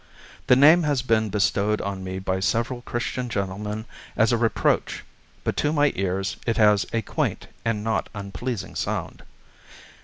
The name has been bestowed on me by several Christian gentlemen as a reproach, but to my ears it has a quaint and not unpleasing sound.